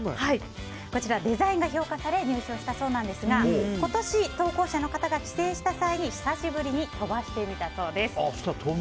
こちら、デザインが評価され入賞したそうなんですが今年投稿者の方が帰省した際に久しぶりに飛ばしてみたそうです。